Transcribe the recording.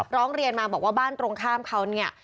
ร้องเรียนมาบอกว่าบ้านตรงข้ามเขาเนี่ย